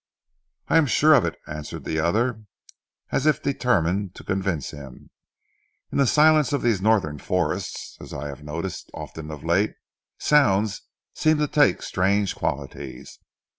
"I am sure of it," answered the other, as if determined to convince him. "In the silence of these northern forests, as I have noticed often of late, sounds seem to take strange qualities.